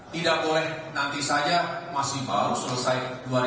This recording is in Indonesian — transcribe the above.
tidak boleh nanti saja masih baru selesai dua ribu dua puluh